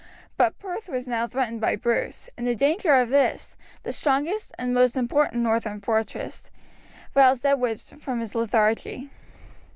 But Perth was now threatened by Bruce; and the danger of this, the strongest and most important northern fortress, roused Edward from his lethargy.